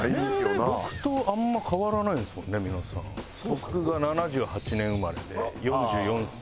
僕が７８年生まれで４４才。